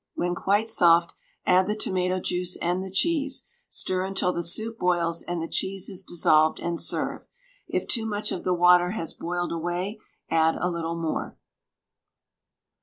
When quite soft, add the tomato juice and the cheese; stir until the soup boils and the cheese is dissolved, and serve. If too much of the water has boiled away, add a little more.